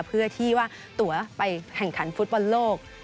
เพื่อที่ว่าตัวไปแข่งขันฟุตบอลโลก